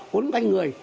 hốn quanh người